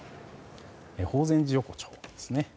法善寺横丁ですね。